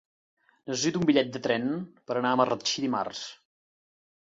Necessito un bitllet de tren per anar a Marratxí dimarts.